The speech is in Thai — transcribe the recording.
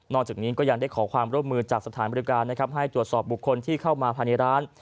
จากนี้ก็ยังได้ขอความร่วมมือจากสถานบริการนะครับให้ตรวจสอบบุคคลที่เข้ามาภายในร้าน